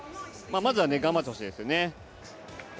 まずは頑張ってほしいですよね。